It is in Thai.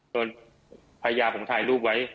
ตอนพระยาผมไถ่รูปไว้